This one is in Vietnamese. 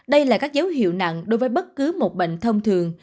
đây là các dấu hiệu nặng đối với bất cứ một bệnh thông thường